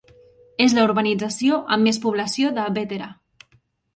És la urbanització amb més població de Bétera.